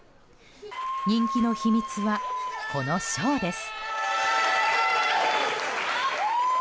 人気の秘密は、このショーです。